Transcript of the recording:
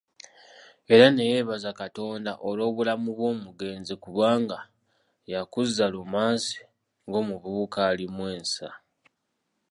Era ne yeebaza Katonda olw’obulamu bw’omugenzi kubanga yakuza Lumansi ng'omuvubuka alimu ensa.